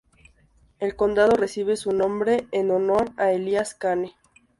El condado recibe su nombre en honor a Elias Kane.